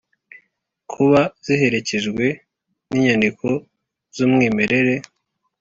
kuba ziherekejwe n inyandiko z umwimerere